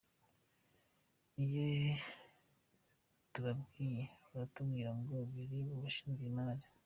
Iyo tubabwiye baratubwira ngo biri mu bashinzwe imari .